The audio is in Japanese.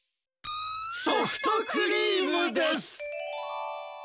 ソフトクリームです！